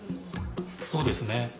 そうですね。